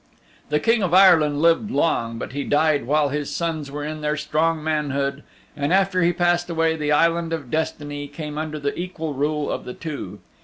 The King of Ireland lived long, but he died while his sons were in their strong manhood, and after he passed away the Island of Destiny came under the equal rule of the two.